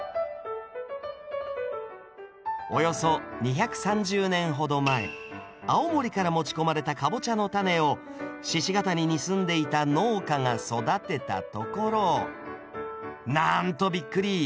およそ２３０年ほど前青森から持ち込まれたカボチャのタネを鹿ケ谷に住んでいた農家が育てたところなんとびっくり！